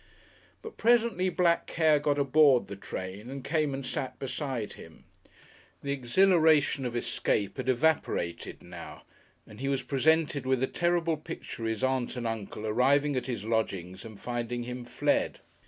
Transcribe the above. But presently Black Care got aboard the train and came and sat beside him. The exhilaration of escape had evaporated now, and he was presented with a terrible picture of his Aunt and Uncle arriving at his lodgings and finding him fled.